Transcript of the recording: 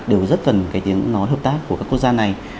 đều rất cần cái tiếng nói hợp tác của các quốc gia này